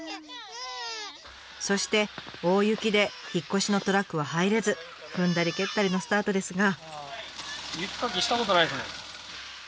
そして大雪で引っ越しのトラックは入れず踏んだり蹴ったりのスタートですが。